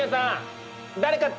誰か？